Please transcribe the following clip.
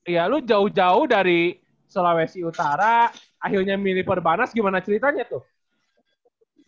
ya lu jauh jauh dari sulawesi utara akhirnya milih perbanas gimana ceritanya tuh